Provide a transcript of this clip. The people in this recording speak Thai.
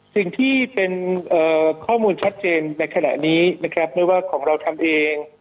สิ่งที่เป็นข้อมูลชัดเจนในขณะนี้นะครับไม่ว่าของเราทำเอง